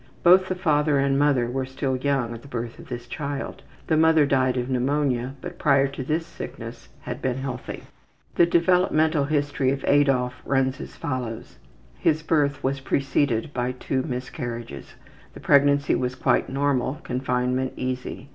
Both the father and mother were still young at the birth of this child. The mother died of pneumonia, but prior to this sickness had been healthy. The developmental history of Adolf runs as follows: His birth was preceded by two miscarriages. The pregnancy was quite normal; confinement easy.